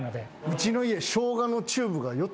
うちの家。